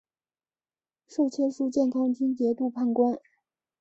授签书建康军节度判官。